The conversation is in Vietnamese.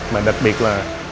mà đặc biệt là